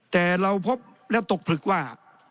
แต่เราพบแล้วตกผลึกว่า